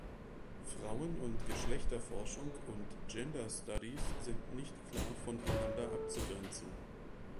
Frauen- und Geschlechterforschung und Gender Studies sind nicht klar voneinander abzugrenzen.